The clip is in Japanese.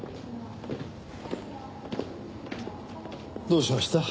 どうしました？